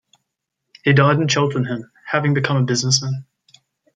He died in Cheltenham, having become a businessman.